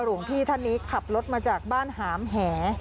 หลวงพี่ท่านนี้ขับรถมาจากบ้านหามแห